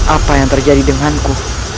apa yang terjadi denganku